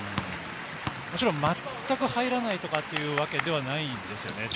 もちろん全く入らないとかっていうわけではないんですよね。